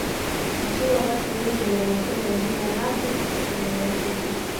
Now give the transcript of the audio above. Ikiwa watu wengi wanapenda jina lake la muda mfupi